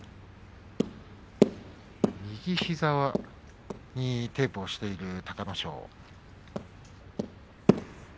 右膝にテープをしている隆の勝。